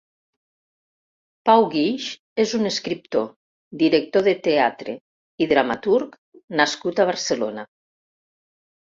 Pau Guix és un escriptor, director de teatre i dramaturg nascut a Barcelona.